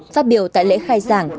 phát biểu tại lễ khai giảng